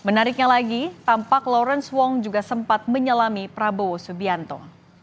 menariknya lagi tampak lawrence wong juga sempat menyelami prabowo subianto